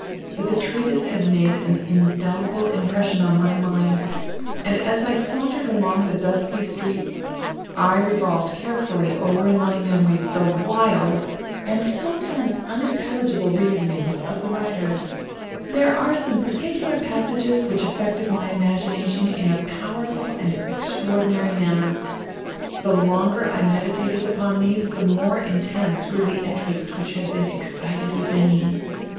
But the treatise had made an indelible impression on my mind, and, as I sauntered along the dusky streets, I revolved carefully over in my memory the wild and sometimes unintelligible reasonings of the writer. There are some particular passages which affected my imagination in a powerful and extraordinary manner. The longer I meditated upon these the more intense grew the interest which had been excited within me.